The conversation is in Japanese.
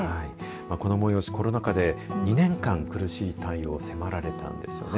この催し、コロナ禍で２年間、苦しい対応を迫られたんです。